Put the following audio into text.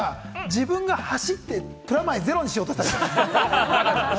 自分が走ってプラマイゼロにしようとしたんじゃないの？